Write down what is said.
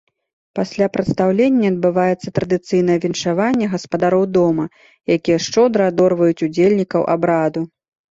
Пасля прадстаўлення адбываецца традыцыйнае віншаванне гаспадароў дома, якія шчодра адорваюць удзельнікаў абраду.